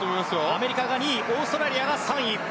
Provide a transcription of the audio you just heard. アメリカが２位オーストラリアが３位。